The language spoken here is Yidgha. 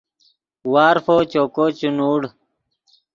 وارفو چوکو چے نوڑ